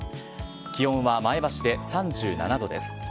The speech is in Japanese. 気温は前橋で３７度です。